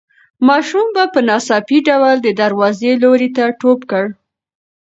ماشوم په ناڅاپي ډول د دروازې لوري ته ټوپ کړ.